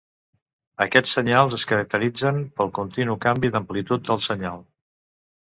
Aquests senyals es caracteritzen pel continu canvi d'amplitud del senyal.